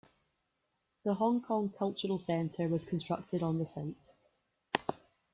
The Hong Kong Cultural Centre was constructed on the site.